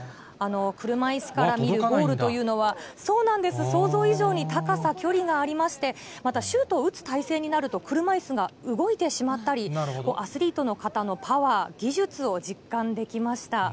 車いすから見るゴールというのは、想像以上に高さ、距離がありまして、またシュートを打つ体勢になると、車いすが動いてしまったり、アスリートの方のパワー、技術を実感できました。